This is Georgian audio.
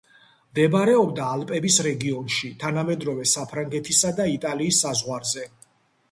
მდებარეობდა ალპების რეგიონში, თანამედროვე საფრანგეთისა და იტალიის საზღვარზე.